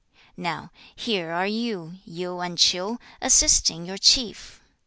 12. 'Now, here are you, Yu and Ch'iu, assisting your chief.